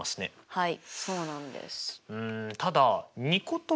はい。